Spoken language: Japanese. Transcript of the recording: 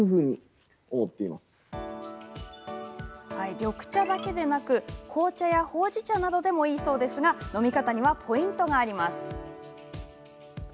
緑茶だけでなく、紅茶やほうじ茶などでもいいそうですが飲み方にはポイントがあります。